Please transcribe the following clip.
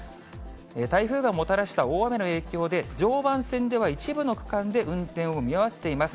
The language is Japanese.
台風がもたらした大雨の影響で、常磐線では一部の区間で運転を見合わせています。